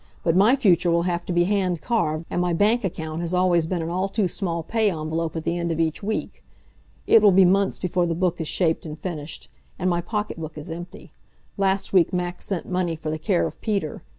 But my future will have to be hand carved, and my bank account has always been an all too small pay envelope at the end of each week. It will be months before the book is shaped and finished. And my pocketbook is empty. Last week Max sent money for the care of Peter.